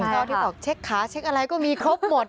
ตอนที่บอกเช็คขาเช็คอะไรก็มีครบหมด